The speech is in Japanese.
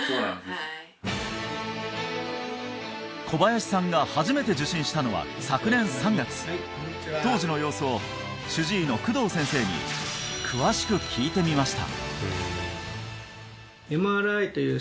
はい小林さんが初めて受診したのは昨年３月当時の様子を主治医の工藤先生に詳しく聞いてみました